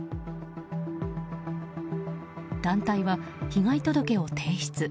団体は、被害届を提出。